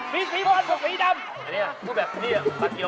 มีสีหมอนสีดำนี่อะพูดแบบนี้อะบัตเกล